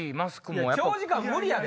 長時間無理やで。